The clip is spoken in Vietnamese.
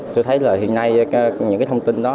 tôi thấy là hiện nay những cái thông tin đó